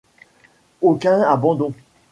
Aucun abandon.